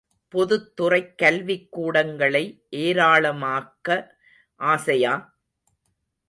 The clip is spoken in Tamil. பொதுத் துறைக் கல்விக் கூடங்களை ஏராளமாக்க ஆசையா?